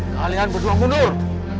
kalian berdua mundur